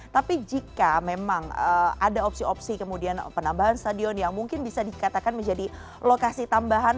tapi jika memang ada opsi opsi kemudian penambahan stadion yang mungkin bisa dikatakan menjadi lokasi tambahan